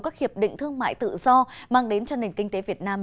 các hiệp định thương mại tự do mang đến cho nền kinh tế việt nam